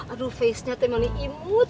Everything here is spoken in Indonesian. aduh facenya emang imut